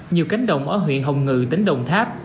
nhiều cánh đồng ở huyện hồng ngự tỉnh đồng tháp